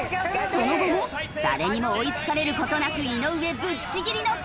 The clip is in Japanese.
その後も誰にも追いつかれる事なく井上ぶっちぎりのトップでゴール。